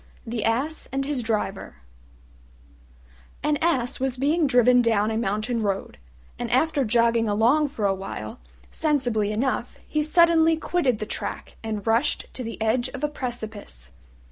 THE ASS AND HIS DRIVER An Ass was being driven down a mountain road, and after jogging along for a while sensibly enough he suddenly quitted the track and rushed to the edge of a precipice.